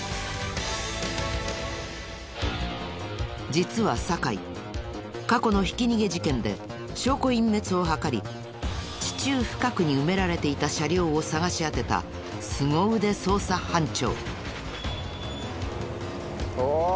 実は酒井過去のひき逃げ事件で証拠隠滅を図り地中深くに埋められていた車両を捜し当てたすご腕捜査班長。